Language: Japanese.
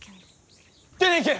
出ていけ！